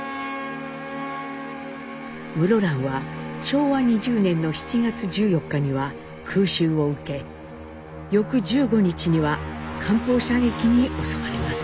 室蘭は昭和２０年の７月１４日には空襲を受け翌１５日には艦砲射撃に襲われます。